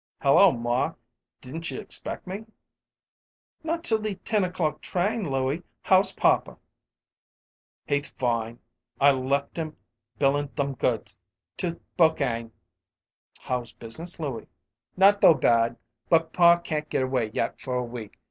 "Hello, maw! Didn't you expect me?" "Not till the ten o'clock train, Louie. How's papa?" "He'th fine. I left him billing thom goods to Thpokane." "How's business, Louie?" "Not tho bad, but pa can't get away yet for a week.